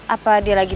apa dia lagi